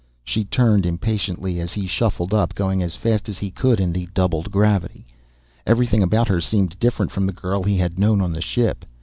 She turned impatiently as he shuffled up, going as fast as he could in the doubled gravity. Everything about her seemed different from the girl he had known on the ship.